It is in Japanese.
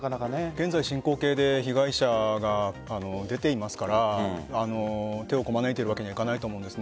現在進行形で被害者が出ていますから手をこまねいているわけにはいかないと思います。